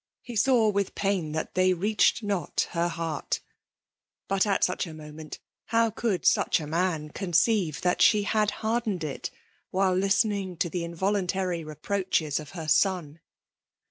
He nmw ivitk pain that they reached not her heart ; but fli such a moment, how eould such a man eonceiFa that she had hardened it while bteoing to tiiB involuntary reproaches of her son?